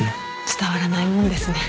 伝わらないもんですね。